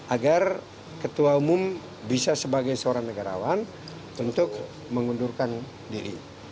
agar ketua umum bisa sebagai seorang negarawan untuk mengundurkan diri